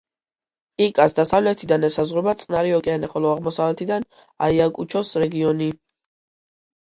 იკას დასავლეთიდან ესაზღვრება წყნარი ოკეანე, ხოლო აღმოსავლეთიდან აიაკუჩოს რეგიონი.